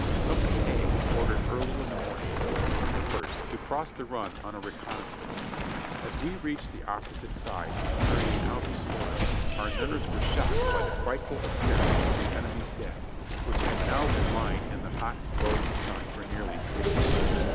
Company A was ordered early in the morning of the twenty first to cross the run on a reconnaissance. As we reached the opposite side in carrying out this order, our nerves were shocked by the frightful appearance of the enemy's dead, which had now been lying in the hot, broiling sun for nearly three days.